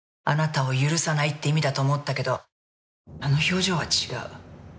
あなたを許さないって意味だと思ったけどあの表情は違う。